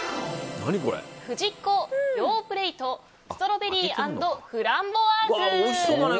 フジッコ、ヨープレイトストロベリー＆フランボワーズ。